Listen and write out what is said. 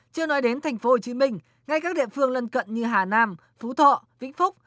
chưa nói đến thành phố hồ chí minh ngay các địa phương lân cận như hà nam phú thọ vĩnh phúc